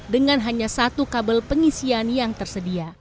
dengan hanya satu kabel pengisian yang tersedia